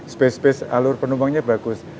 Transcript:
space space alur penumpangnya bagus